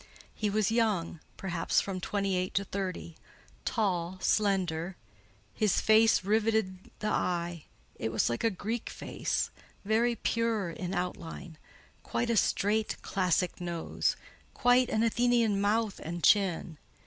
He was young—perhaps from twenty eight to thirty—tall, slender; his face riveted the eye; it was like a Greek face, very pure in outline: quite a straight, classic nose; quite an Athenian mouth and chin.